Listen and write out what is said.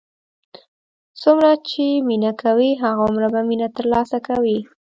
څومره چې مینه کوې، هماغومره به مینه تر لاسه کوې.